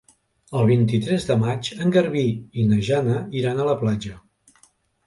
El vint-i-tres de maig en Garbí i na Jana iran a la platja.